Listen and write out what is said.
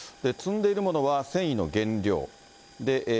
積んでいるものは繊維の原料。